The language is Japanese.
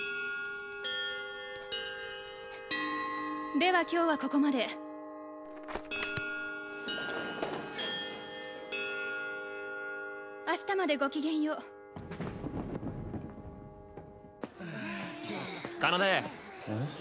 ・では今日はここまで・明日までごきげんよう奏うん？